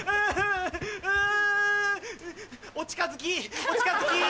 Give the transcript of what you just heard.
お近づきお近づき！